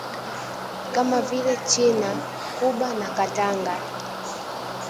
Kama vile China, Cuba na Katanga